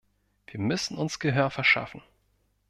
Wir müssen uns Gehör verschaffen.